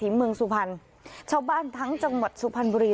ถิมเมืองสุพันธ์ชาวบ้านทั้งจังหวัดสุพันธ์บุรี